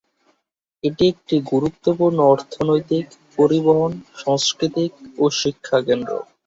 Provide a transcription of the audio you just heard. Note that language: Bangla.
এটি একটি গুরুত্বপূর্ণ অর্থনৈতিক, পরিবহন, সাংস্কৃতিক ও শিক্ষাকেন্দ্র।